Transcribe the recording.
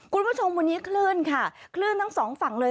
คุณผู้ชมวันนี้คลื่นค่ะคลื่นทั้งสองฝั่งเลย